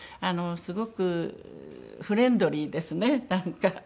すごくフレンドリーですねなんか。